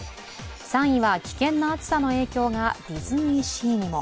３位は危険な暑さの影響がディズニーシーにも。